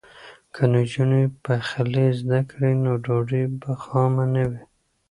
که نجونې پخلی زده کړي نو ډوډۍ به خامه نه وي.